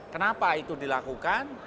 kenapa itu dilakukan